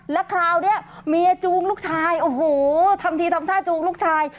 แล้วคราวนี้เมียจูงลูกชายโอ้โหทำทีทำท่าจูงลูกชาย